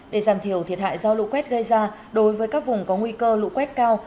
để giảm thiểu thiệt hại do lũ quét gây ra đối với các vùng có nguy cơ lũ quét cao